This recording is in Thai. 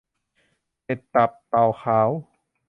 เห็ดตับเต่าขาว